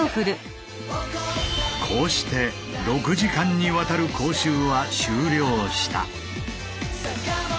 こうして６時間にわたる講習は終了した。